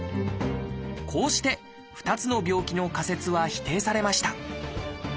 こうして２つの病気の仮説は否定されました。